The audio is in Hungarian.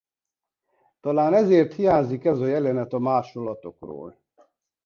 Talán ezért hiányzik ez a jelenet a másolatokról.